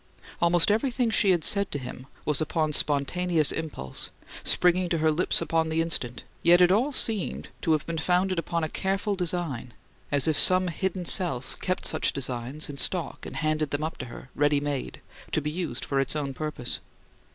Almost everything she had said to him was upon spontaneous impulse, springing to her lips on the instant; yet it all seemed to have been founded upon a careful design, as if some hidden self kept such designs in stock and handed them up to her, ready made, to be used for its own purpose.